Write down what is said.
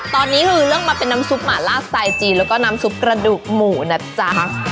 ตอนนี้คือเลือกมาเป็นน้ำซุปหมาล่าสไตล์จีนแล้วก็น้ำซุปกระดูกหมูนะจ๊ะ